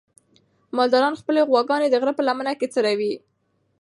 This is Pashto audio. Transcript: مالداران خپلې غواګانې د غره په لمنه کې څروي.